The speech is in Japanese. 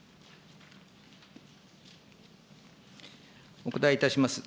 お答えいたします。